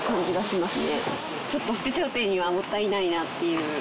ちょっと捨てちゃうっていうのはもったいないなっていう。